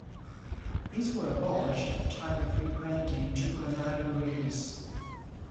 These were abolished at the time of rebranding to Granada Breeze.